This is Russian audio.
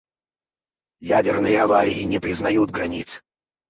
Ядерные аварии не признают границ.